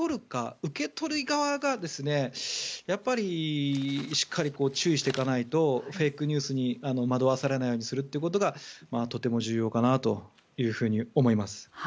受け取り側がしっかり注意していかないとフェイクニュースに惑わされないようにすることがとても重要かなというふうに思います。